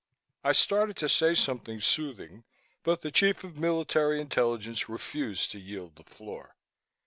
I started to say something soothing but the Chief of Military Intelligence refused to yield the floor.